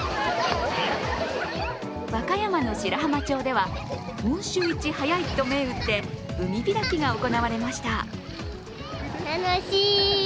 和歌山の白浜町では本州一早いと銘打って海開きが行われました。